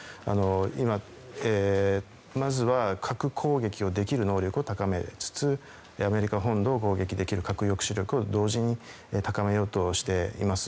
今は、まず核攻撃をできる能力を高めつつアメリカ本土を攻撃できる核抑止力を同時に高めようとしています。